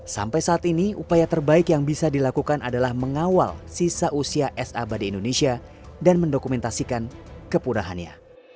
sampai saat ini upaya terbaik yang bisa dilakukan adalah mengawal sisa usia es abadi indonesia dan mendokumentasikan kepunahannya